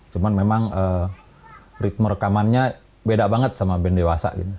cuman memang ritme rekamannya beda banget sama band dewasa